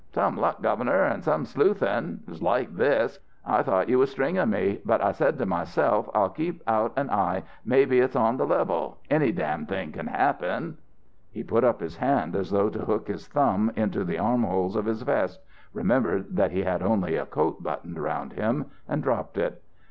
"'Some luck, Governor, and some sleuthin'. It was like this: I thought you was stringin' me. But I said to myself I'll keep out an eye; maybe it's on the level any damn thing can happen.' "He put up his hand as though to hook his thumb into the armhole of his vest, remembered that he had only a coat buttoned round him and dropped it.